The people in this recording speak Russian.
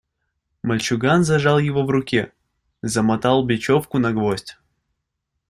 Мальчуган зажал его в руке, замотал бечевку на гвоздь.